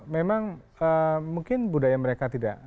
memang mungkin budaya mereka tidak